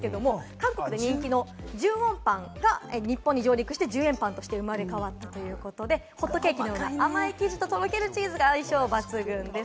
韓国で人気の１０ウォンパンが日本に上陸して、１０円パンとして生まれ変わったということで、ホットケーキのような甘い生地ととろけるチーズが相性抜群です。